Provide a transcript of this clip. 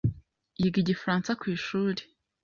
yiga igifaransa kwishuri?